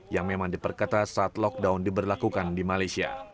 yang memang diperketa saat lockdown diberlakukan di malaysia